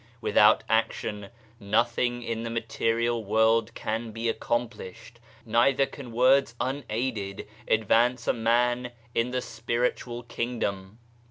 Without action nothing in the material world can be accomplished, neither can words unaided advance a man in the Spiritual Kingdom.